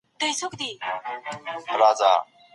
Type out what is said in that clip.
ایا بهرني سوداګر وچ زردالو ساتي؟